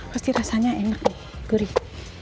pasti rasanya enak deh gurih